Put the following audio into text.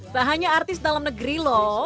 tak hanya artis dalam negeri loh